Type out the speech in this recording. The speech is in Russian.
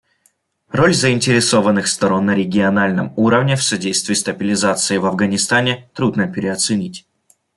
Роль заинтересованных сторон на региональном уровне в содействии стабилизации в Афганистане трудно переоценить.